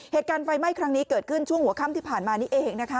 เหตุการณ์ไฟไหม้ครั้งนี้เกิดขึ้นช่วงหัวค่ำที่ผ่านมานี่เองนะคะ